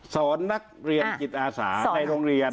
สอนนักเรียนจิตอาสาในโรงเรียน